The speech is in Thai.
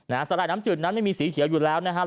สลายน้ำจืดนั้นไม่มีสีเขียวอยู่แล้วนะครับ